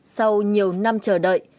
sau nhiều năm chờ đợi